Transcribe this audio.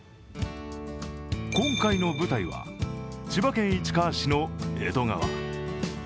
今回の舞台は、千葉県市川市の江戸川。